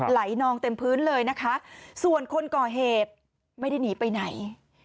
นองเต็มพื้นเลยนะคะส่วนคนก่อเหตุไม่ได้หนีไปไหน